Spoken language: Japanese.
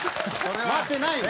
回ってないの？